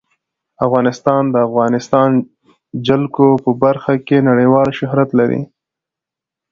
افغانستان د د افغانستان جلکو په برخه کې نړیوال شهرت لري.